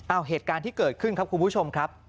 เอาเหตุการณ์ที่เกิดขึ้นครับคุณผู้ชมครับ